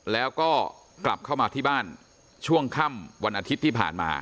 แล้วก็กลับเข้ามาที่บ้านช่วงค่ำวันอาทิตย์ที่ผ่านมา